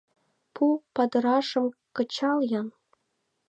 Пу падырашым кычал-ян...